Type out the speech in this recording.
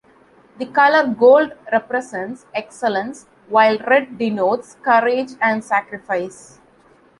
The color gold represents excellence, while red denotes courage and sacrifice.